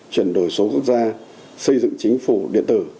chuyển đổi số quốc gia xây dựng chính phủ điện tử